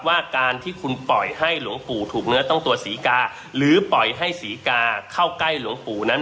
ว่าการที่คุณปล่อยให้หลวงปู่ถูกเนื้อต้องตัวศรีกาหรือปล่อยให้ศรีกาเข้าใกล้หลวงปู่นั้น